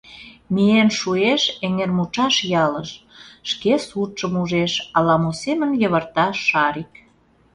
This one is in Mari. Миен шуэш Эҥермучаш ялыш, шке суртшым ужеш, ала-мо семын йывырта Шарик.